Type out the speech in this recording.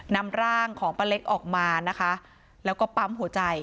นำร่างของป้าเล็กออกมานะคะแล้วก็ปั๊มหัวใจ